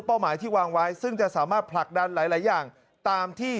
หมายที่วางไว้ซึ่งจะสามารถผลักดันหลายอย่างตามที่